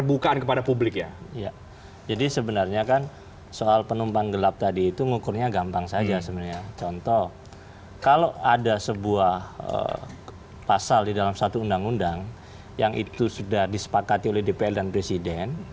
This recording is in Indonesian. undang undang yang itu sudah disepakati oleh dpr dan presiden